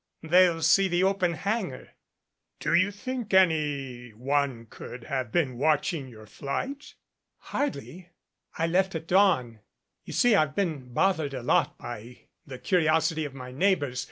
They'll see the open han gar " "Do you think any one could have been watching your flight?" "Hardly. I left at dawn. You see I've been bothered a lot by the curiosity of my neighbors.